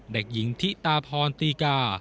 เด็กหญิงทิตาพรตีกา